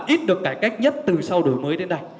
ít được cải cách nhất từ sau đổi mới đến đây